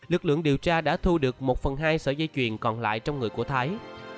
lực lượng điều tra đã thu được một phần hai sợi dây chuyền còn lại trong người của thái